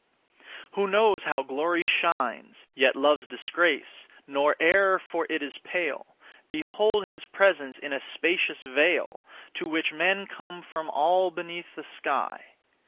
Who knows how glory shines, Yet loves disgrace, nor e'er for it is pale; Behold his presence in a spacious vale, To which men come from all beneath the sky.